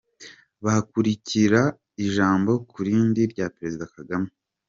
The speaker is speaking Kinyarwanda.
Bakurikira Ijambo kurindi rya Perezida Kagame